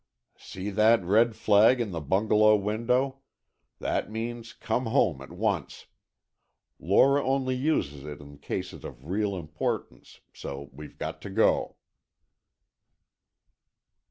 "See that red flag in the bungalow window? That means come home at once. Lora only uses it in cases of real importance, so we've got to go."